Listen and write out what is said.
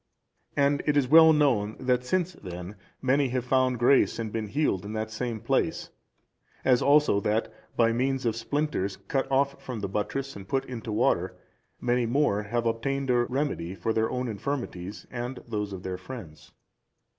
And it is well known that since then many have found grace and been healed in that same place, as also that by means of splinters cut off from the buttress, and put into water, many more have obtained a remedy for their own infirmities and those of their friends.